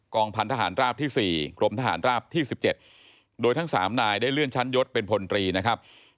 พันธหารราบที่๔กรมทหารราบที่๑๗โดยทั้ง๓นายได้เลื่อนชั้นยศเป็นพลตรีนะครับ